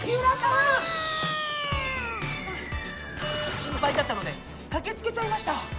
心ぱいだったのでかけつけちゃいました。